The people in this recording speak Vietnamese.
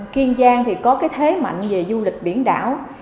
kiên giang thì có cái thế mạnh về du lịch biển đảo